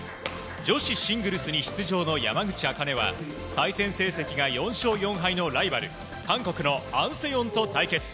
女子シングルスに出場の山口茜は対戦成績が４勝４敗のライバル韓国のアン・セヨンと対決。